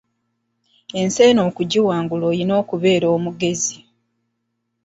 Ensi eno okugiwangula olina kubeera mugezi.